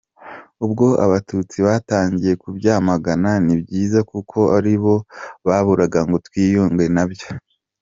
Ubwo Abatutsi batangiye kubyamagana, ni byiza kuko aribo baburaga ngo twiyunge nyabyo.